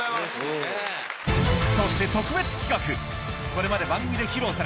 そして特別企画